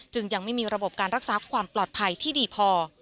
ยังไม่มีระบบการรักษาความปลอดภัยที่ดีพอ